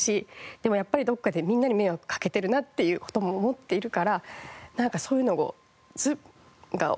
でもやっぱりどこかでみんなに迷惑かけてるなっていう事も思っているからなんかそういうのが思い出され。